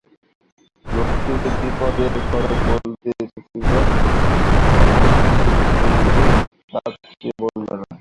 লোকটি যে-বিপদের কথা বলতে এসেছিল, শেষ মুহূর্তে ঠিক করেছে তা সে বলবে না।